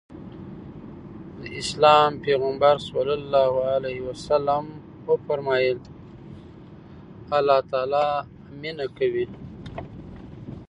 د اسلام پيغمبر ص وفرمايل الله تعالی مينه کوي.